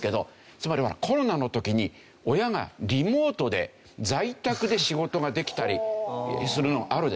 つまりほらコロナの時に親がリモートで在宅で仕事ができたりするのあるでしょ。